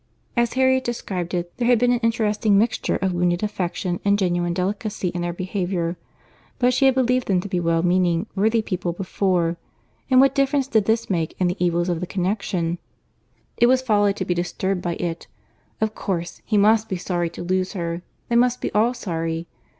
As Harriet described it, there had been an interesting mixture of wounded affection and genuine delicacy in their behaviour. But she had believed them to be well meaning, worthy people before; and what difference did this make in the evils of the connexion? It was folly to be disturbed by it. Of course, he must be sorry to lose her—they must be all sorry.